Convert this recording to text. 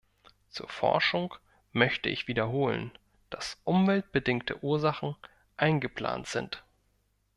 Zur Forschung möchte ich wiederholen, dass umweltbedingte Ursachen eingeplant sind.